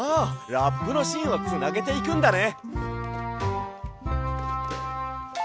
ラップのしんをつなげていくんだね！